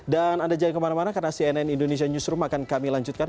dan anda jangan kemana mana karena cnn indonesia newsroom akan kami lanjutkan